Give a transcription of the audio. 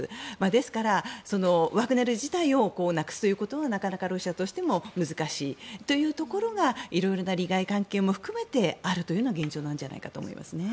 ですから、ワグネル自体をなくすということはなかなかロシアとしても難しいというところが色々な利害関係も含めてあるというのが現状じゃないかと思います。